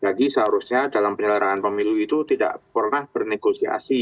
jadi seharusnya dalam penyelenggaraan pemilu itu tidak pernah bernegosiasi